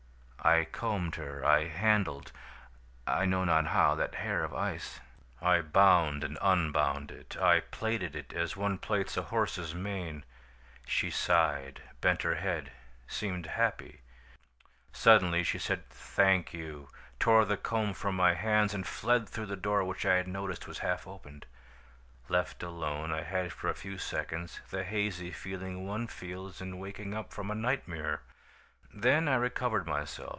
"I combed her, I handled, I know not how, that hair of ice. I bound and unbound it; I plaited it as one plaits a horse's mane. She sighed, bent her head, seemed happy. "Suddenly she said, 'Thank you!' tore the comb from my hands, and fled through the door which I had noticed was half opened. "Left alone, I had for a few seconds the hazy feeling one feels in waking up from a nightmare. Then I recovered myself.